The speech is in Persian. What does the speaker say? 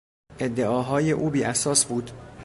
ادعاهای او بیاساس بود.